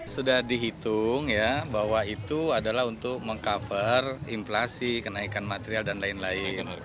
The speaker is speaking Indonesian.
sudah dihitung ya bahwa itu adalah untuk meng cover inflasi kenaikan material dan lain lain